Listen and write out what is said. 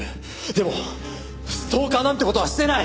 でもストーカーなんて事はしてない！